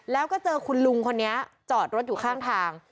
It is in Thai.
แล้วก็เจอคุณลุงคนนี้จอดรถอยู่ข้างทาง